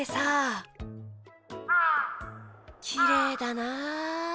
きれいだな。